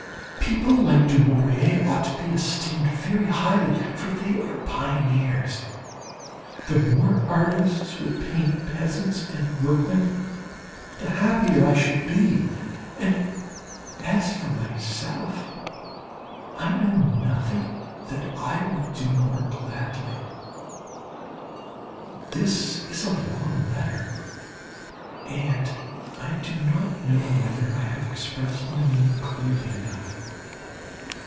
People like Daumier ought to be esteemed very highly, for they are pioneers.... The more artists would paint peasants and workmen the happier I should be. And as for myself, I know nothing that I would do more gladly. This is a long letter, and I do not know whether I have expressed my meaning clearly enough.